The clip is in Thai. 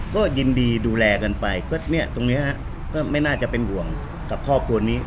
ก็ยินดีดูแลกันไปก็เนี่ยตรงนี้ฮะก็ไม่น่าจะเป็นห่วงกับครอบครัวนี้